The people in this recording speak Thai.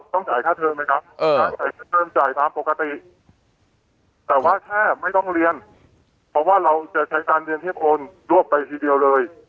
จ่ายค่าเทิมไหมครับเทิมจ่ายตามปกติแต่ว่าแค่ไม่ต้องเรียนเพราะว่าเราจะใช้การเรียนให้โอนรวบไปทีเดียวเลย